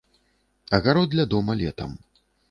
Агарод ля дома летам.